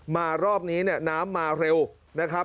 รอบนี้เนี่ยน้ำมาเร็วนะครับ